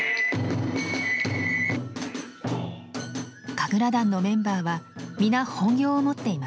神楽団のメンバーは皆本業を持っています。